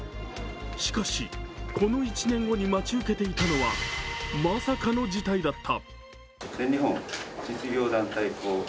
しかし、この１年後に待ち受けていたのはまさかの事態だった。